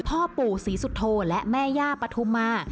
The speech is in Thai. พ่อปู่ศรีสุโธและแม่ย่าปฐุมา